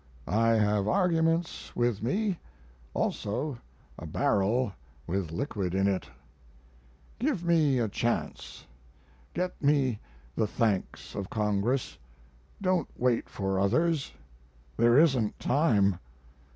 I have arguments with me, also a barrel with liquid in it. Give me a chance. Get me the thanks of Congress. Don't wait for others there isn't time.